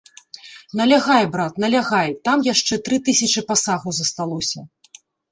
Налягай, брат, налягай, там яшчэ тры тысячы пасагу засталося.